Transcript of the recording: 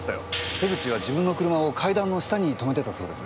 瀬口は自分の車を階段の下に止めてたそうです。